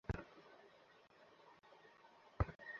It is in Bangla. এগুলো নিয়ে সতর্ক থাকবি।